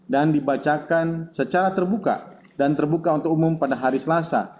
dan dibacakan secara terbuka dan terbuka untuk umum pada hari selasa